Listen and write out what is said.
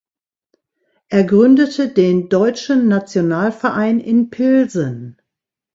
Er gründete den "Deutschen Nationalverein" in Pilsen.